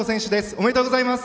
おめでとうございます。